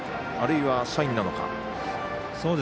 あるいはサインなのか。